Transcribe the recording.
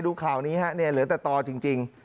ข่าวนี้ฮะเนี่ยเหลือแต่ต่อจริง